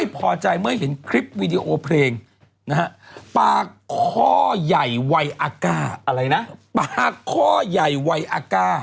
เพื่อพูดกันแกเนี้ยซะกดยังไงนะปลาคอใหญ่ไหว้อักษะนี่อ่ะอะไรวะ